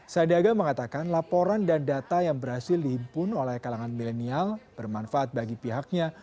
sandiaga mengatakan laporan dan data yang berhasil dihimpun oleh kalangan milenial bermanfaat bagi pihaknya